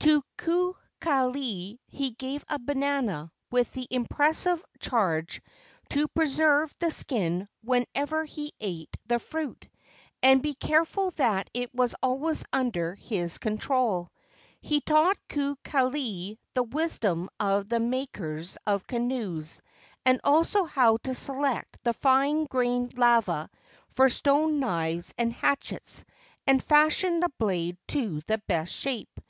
To Kukali he gave a banana with the impressive charge to preserve the skin whenever he ate the fruit, and be careful that it was always under his control. He taught Kukali the wisdom of the makers of canoes and also how to select the fine grained lava for stone knives and hatchets, THE STRANGE BANANA SKIN 67 and fashion the blade to the best shape.